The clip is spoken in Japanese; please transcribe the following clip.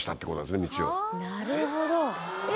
なるほどえ！